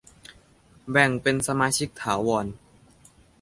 แบ่งเป็นสมาชิกถาวร